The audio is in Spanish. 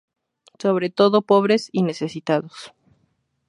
Sobre todo pobres y necesitados.